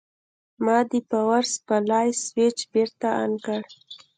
ما د پاور سپلای سویچ بېرته آن کړ.